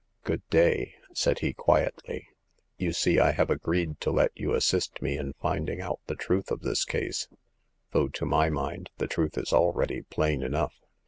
Good day," said he, quietly. You see I have agreed to let you assist me in finding out the truth of this case ; though to my mind the truth is already plain enough."